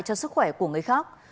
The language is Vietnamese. cho sức khỏe của người khác